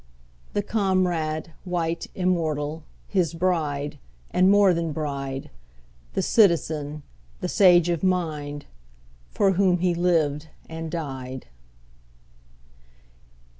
The comrade, white, immortal, His bride, and more than bride— The citizen, the sage of mind, For whom he lived and died.